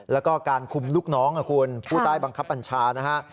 แล้วก็การคุมลูกน้องนะครับคุณผู้ตายบังคับอัญชานะฮะ